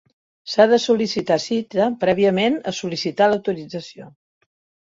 S'ha de sol·licitar cita prèviament a sol·licitar l'autorització.